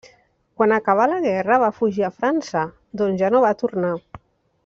Quan acabà la guerra va fugir a França, d'on ja no va tornar.